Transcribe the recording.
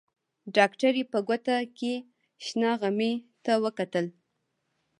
ډاکټرې په ګوته کې شنه غمي ته وکتل.